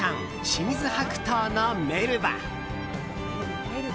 清水白桃のメルバ。